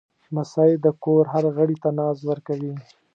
لمسی د کور هر غړي ته ناز ورکوي.